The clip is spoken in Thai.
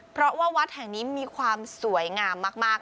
เพราะว่าวัดแห่งนี้มีความสวยงามมาก